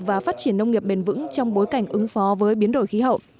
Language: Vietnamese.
và phát triển nông nghiệp bền vững trong bối cảnh ứng phó với biến đổi khí hậu